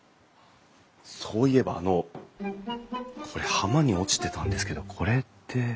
そういえばあのこれ浜に落ちてたんですけどこれって。